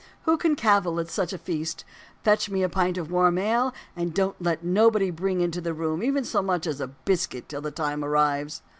who can cavil at such a feast? "Fetch me a pint of warm ale, and don't let nobody bring into the room even so much as a biscuit till the time arrives."